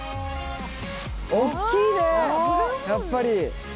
大っきいねやっぱり。